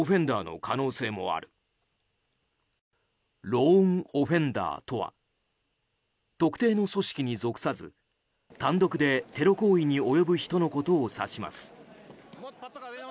ローン・オフェンダーとは特定の組織に属さず単独でテロ行為に及ぶ人のことを指します。